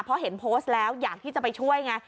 เพราะเห็นโพสต์แล้วอยากที่จะไปช่วยไง